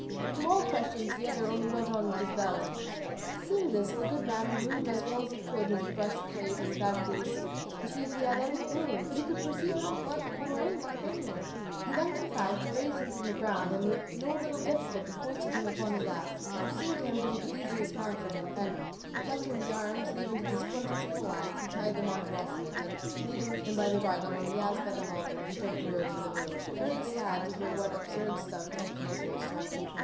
But to all questions the other only went on with his ballad. Seeing this, the good man removed as well as he could his breastplate and backpiece to see if he had any wound, but he could perceive no blood nor any mark whatever. He then contrived to raise him from the ground, and with no little difficulty hoisted him upon his ass, which seemed to him to be the easiest mount for him; and collecting the arms, even to the splinters of the lance, he tied them on Rocinante, and leading him by the bridle and the ass by the halter he took the road for the village, very sad to hear what absurd stuff Don Quixote was talking.